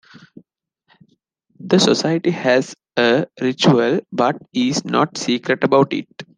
The Society has a ritual, but is not secret about it.